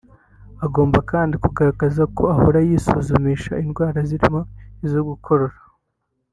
Agomba kandi kugaragaza ko ahora yisuzumisha indwara zirimo izo gukorora